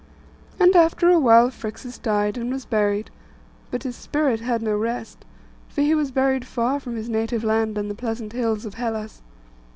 And after awhile Phrixus died, and was buried, but his spirit had no rest; for he was buried far from his native land, and the pleasant hills of Hellas.